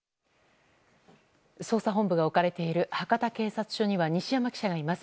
捜査本部が置かれている博多警察署には西山記者がいます。